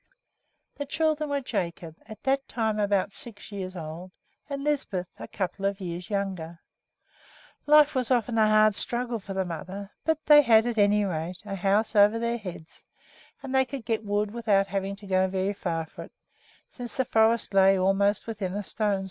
The children were Jacob, at that time about six years old, and Lisbeth, a couple of years younger. Life was often a hard struggle for the mother; but they had, at any rate, a house over their heads, and they could get wood without having to go very far for it, since the forest lay almost within a stone's throw.